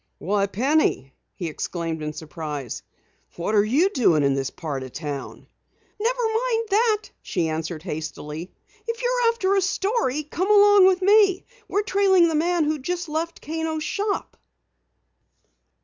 "Why, Penny!" he exclaimed in surprise. "What are you doing in this part of town?" "Never mind that," she answered hastily. "If you're after a story, come along with me. We're trailing the man who just left Kano's Shop."